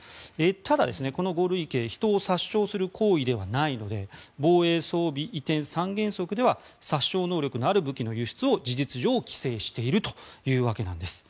ただ、この５類型人を殺傷する行為ではないので防衛装備移転三原則では殺傷能力のある武器の輸出を事実上規制しているというわけなんです。